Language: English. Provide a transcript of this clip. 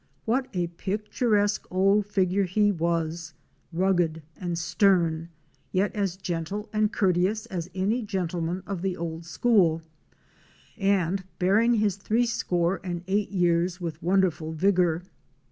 What a picturesque old figure he was — rugged and stern, yet as gentle and courteous as any gentleman of the old school — and bearing his three score and eight years with wonderful vigor.